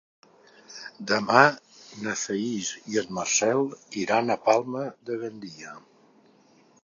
Demà na Thaís i en Marcel iran a Palma de Gandia.